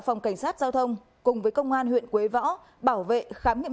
phòng cảnh sát giao thông cùng với công an huyện quế võ bảo vệ khám nghiệm